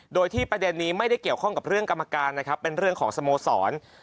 โดยที่ประเด็นนี้ไม่ได้เกี่ยวข้องกับเรื่องกรรมการนะครับเป็นเรื่องของสโมสร